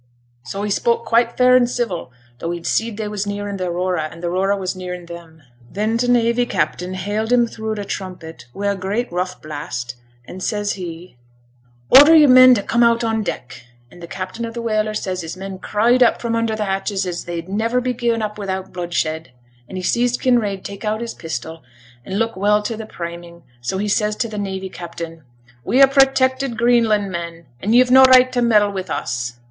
So he spoke quite fair and civil, though he see'd they was nearing t' Aurora, and t' Aurora was nearing them. Then t' navy captain hailed him thro' t' trumpet, wi' a great rough blast, and, says he, "Order your men to come on deck." And t' captain of t' whaler says his men cried up from under t' hatches as they'd niver be gi'en up wi'out bloodshed, and he sees Kinraid take out his pistol, and look well to t' priming; so he says to t' navy captain, "We're protected Greenland men, and you have no right t' meddle wi' us."